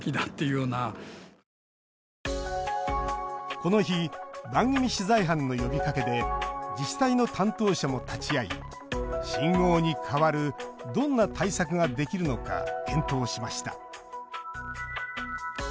この日番組取材班の呼びかけで自治体の担当者も立ち会い信号に代わるどんな対策ができるのか検討しました。